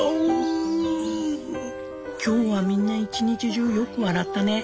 今日はみんな一日中よく笑ったね。